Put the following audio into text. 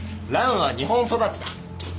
ランは日本育ちだ。